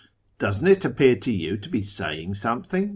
Joesn't it appear to you to be saying something